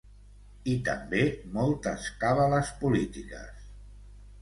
I també moltes càbales polítiques.